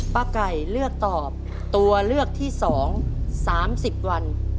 ป้าไก่เลือกตอบตัวเลือกที่๒๓๐วัน